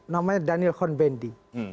namanya daniel hornbendi